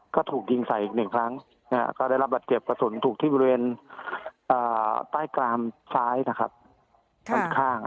ก็ได้รับบัตรเจ็บประสุนถูกที่บริเวณอ่าใต้กรามซ้ายนะครับข้างข้าง